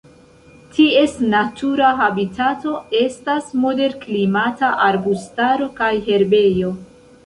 Ties natura habitato estas moderklimata arbustaro kaj herbejo.